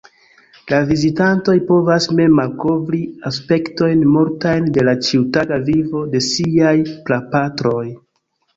La vizitantoj povas mem malkovri aspektojn multajn de la ĉiutaga vivo de siaj prapatroj.